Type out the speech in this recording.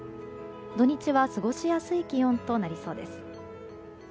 土日は過ごしやすい気温となりそうです。